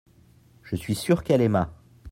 je suis sûr qu'elle aima.